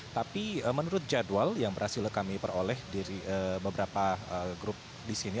tapi menurut jadwal yang berhasil kami peroleh dari beberapa grup di sini